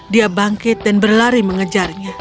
dia bangkit dan berlari mengejarnya